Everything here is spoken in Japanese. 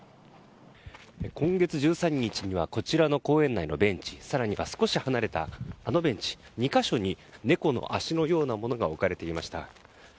今月１３日にはこちらの公園内のベンチ更には少し離れた、あのベンチ２か所に、猫の足のようなものが置かれていました。